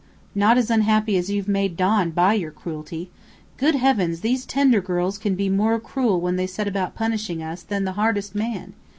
"Not as unhappy as you've made Don by your cruelty. Good heavens, these tender girls can be more cruel when they set about punishing us, than the hardest man!